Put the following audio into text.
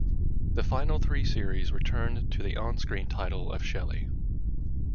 The final three series returned to the on-screen title of Shelley.